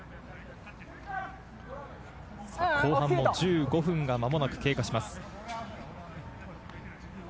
後半の１５分が間もなく経過します。